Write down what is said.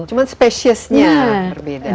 cuma spesiesnya berbeda